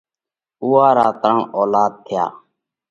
اُوئون را ترڻ اولاڌ ٿيا۔